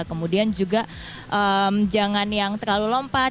kemudian juga jangan yang terlalu lompat